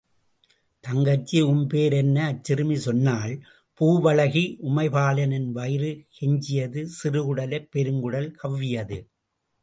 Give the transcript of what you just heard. தங்கச்சி, உம் பேர் என்ன? அச்சிறுமி சொன்னாள் பூவழகி உமைபாலனின் வயிறு கெஞ்சியது சிறுகுடலைப் பெருங்குடல் கவ்வியது.